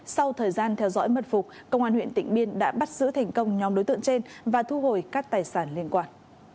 sau thời gian theo dõi mật phục công an huyện tịnh biên đã bắt giữ thành công nhóm đối tượng trên và thu hồi các tài sản liên quan